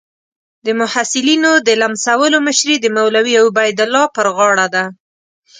د محصلینو د لمسولو مشري د مولوي عبیدالله پر غاړه ده.